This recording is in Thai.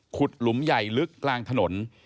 หลุมใหญ่ลึกกลางถนน